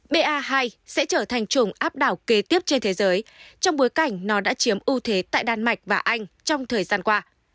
ba hai sẽ trở thành chủng áp đảo kế tiếp trên thế giới trong bối cảnh nó đã chiếm ưu thế tại đan mạch và anh trong thời gian qua